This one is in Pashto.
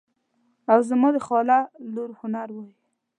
او زما د خاله لور هنر وایي.